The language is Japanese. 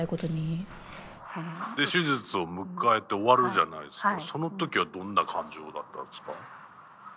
手術を迎えて終わるじゃないですかその時はどんな感情だったんですか？